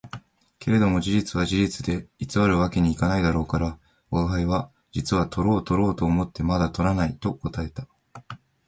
けれども事実は事実で偽る訳には行かないから、吾輩は「実はとろうとろうと思ってまだ捕らない」と答えた